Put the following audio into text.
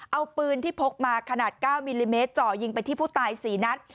เอาปืนที่พกมาขนาด๙มิลลิเมตรเจาะยิงไปที่ผู้ตาย๔นัด